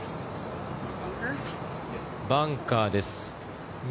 バンカーです。